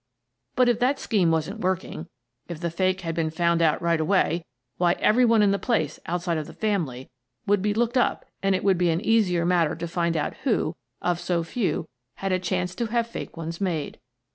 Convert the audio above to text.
But if that scheme wasn't working — if the fake had been found out right away — why, every one in the place, outside of the family, would be looked up and it would be an easier matter to find out who, of so few, had a chance to have fake ones made.